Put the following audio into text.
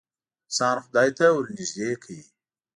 انسان خدای ته ورنیږدې کوې.